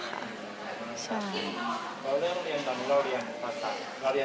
เราเริ่มเรียนตอนนี้เราเรียนม๓